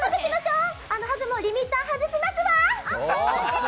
ハグもリミッター外しますわ！